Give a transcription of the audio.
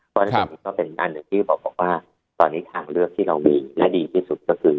ก็นักยืนยันก็เป็นอันที่ผมบอกว่าตอนนี้ทางเลือกที่เรามีหน้าดีที่สุดก็คือ